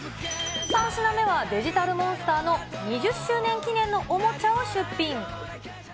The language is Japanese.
３品目は、デジタルモンスターの２０周年記念のおもちゃを出品。